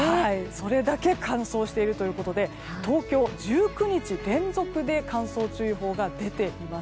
それだけ乾燥しているということで東京、１９日連続で乾燥注意報が出ています。